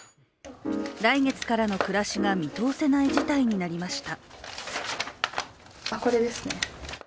来月からの暮らしが見通せない事態になりました。